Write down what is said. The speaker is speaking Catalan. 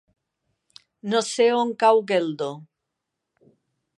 No sé on cau Geldo.